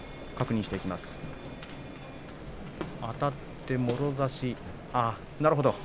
あたってもろ差し、なるほど。